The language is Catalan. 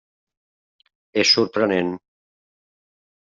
És sorprenent.